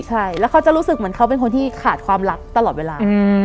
ใช่แล้วเขาจะรู้สึกเหมือนเขาเป็นคนที่ขาดความรักตลอดเวลา